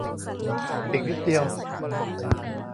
อีกนิดเดียว